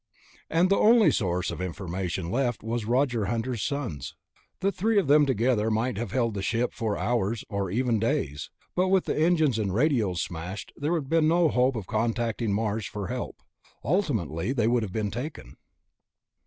And the only source of information left was Roger Hunter's sons. The three of them together might have held the ship for hours, or even days ... but with engines and radios smashed, there had been no hope of contacting Mars for help. Ultimately, they would have been taken.